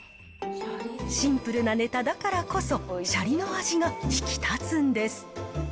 シンプルなネタだからこそ、シャリの味が引き立つんです。